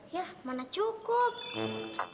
yah mana cukup